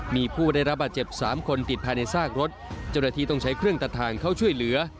มีผู้ได้รับบาดเจ็บสามคนติดภายในซากรถเจ้าหน้าที่ต้องใช้เครื่องตัดทางเข้าช่วยเหลือ